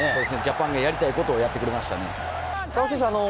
ジャパンがやりたいことをやってくれました。